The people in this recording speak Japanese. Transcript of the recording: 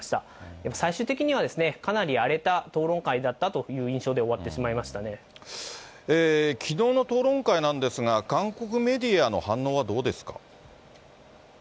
でも、最終的にはかなり荒れた討論会だったという印象で終わってしまいきのうの討論会なんですが、韓国メディアの反応はどうですか？